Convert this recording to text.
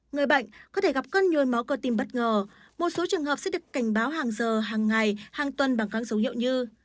người bệnh có thể gặp cơn nhồi máu cơ tim bất ngờ một số trường hợp sẽ được cảnh báo hàng giờ hàng ngày hàng tuần bằng các dấu hiệu như